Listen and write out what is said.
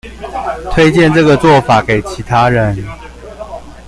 推薦這個做法給其他人